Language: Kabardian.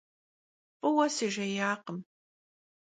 F'ıue sıjjêyakhım.